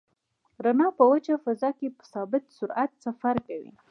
رڼا په وچه فضا کې په ثابت سرعت سفر کوي.